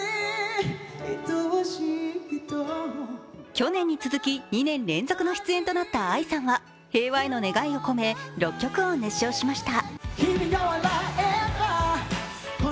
去年に続き２年連続の出演となったＡＩさんは平和への願いを込め６曲を熱唱しました。